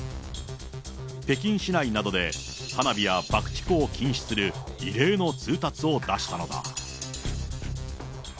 北京市内などで花火や爆竹を禁止する、異例の通達を出したのだ。